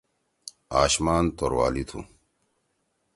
آشمان توروالی تُھو۔